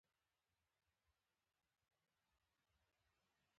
وړانګې دسترخوان هوار کړ.